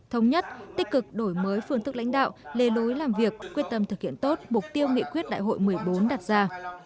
thống nhất tích cực đổi mới phương thức lãnh đạo lề lối làm việc quyết tâm thực hiện tốt mục tiêu nghị quyết đại hội một mươi bốn đặt ra